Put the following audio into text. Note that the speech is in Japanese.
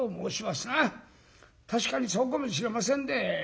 確かにそうかもしれませんで。